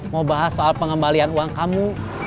mau bahas soal pengembalian uang kamu